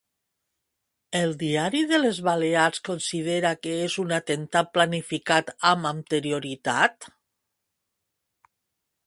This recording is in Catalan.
El Diari de les Balears considera que és un atemptat planificat amb anterioritat?